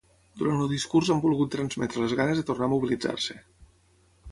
Durant el discurs han volgut transmetre les ganes de tornar a mobilitzar-se.